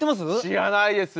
知らないです。